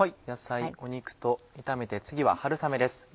野菜お肉と炒めて次は春雨です。